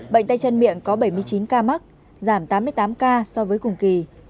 bệnh tay chân miệng có bảy mươi chín ca mắc giảm tám mươi tám ca so với cùng kỳ